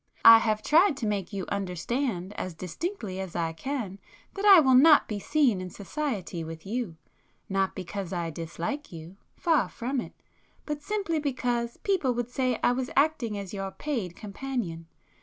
I have tried to make you understand as distinctly as I can that I will not be seen in society with you,—not because I dislike you,—far from it,—but simply because people would say I was acting as your paid companion.